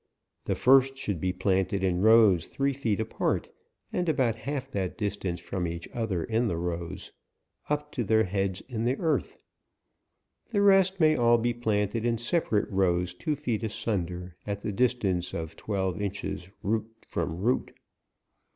The first should be planted in rows three feet apart, and about half that distance from each APRIL. i>j other in the rows, up to their heads in the earth. The rest may all be planted in sepa rate rows two feet asunder, at the distance oi twelve inches root from root.